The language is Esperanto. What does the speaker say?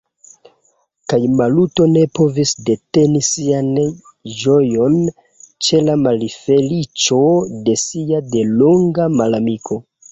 Kaj Maluto ne povis deteni sian ĝojon ĉe la malfeliĉo de sia delonga malamiko.